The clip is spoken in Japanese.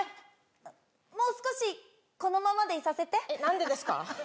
もう少しこのままでいさせてえっ何でですか？